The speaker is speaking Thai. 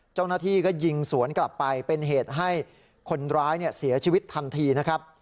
เจ้าหน้าที่ก็ยิงสวนกลับไปเป็นเหตุให้คนร้ายเสียชีวิตทันทีนะครับ